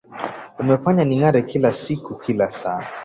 Umenifanya ning’are kila siku kila saa.